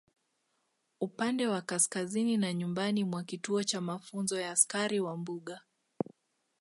Upande wa kaskazini na nyumbani mwa kituo cha mafunzo ya askari wa mbuga